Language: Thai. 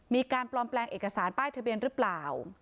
มีการปลอมแปลงเอกสารป้ายทะเบียนหรือเปล่า